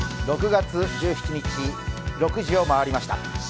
６月１７日、６時を回りました。